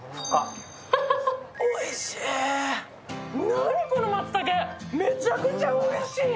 何、この松茸、めちゃくちゃおいしい。